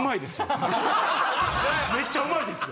めっちゃうまいです！